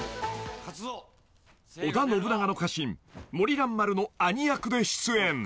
［織田信長の家臣森蘭丸の兄役で出演］